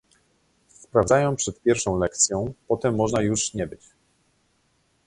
"Sprawdzają przed pierwszą lekcją, potem można już nie być."